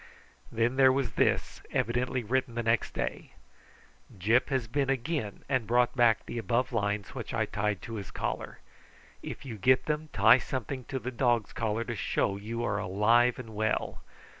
Then there was this, evidently written the next day: "_Gyp has been again and brought back the above lines which I tied to his collar. If you get them tie something to the dog's collar to show you are alive and well.